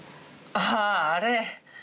あああれ。